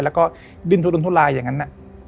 แล้วก็ดิ้นทุรนทุลายอย่างนั้น